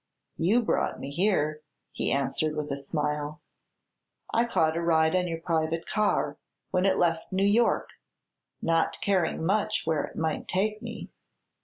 "You brought me here," he answered, with a smile. "I caught a ride on your private car, when it left New York, not caring much where it might take me.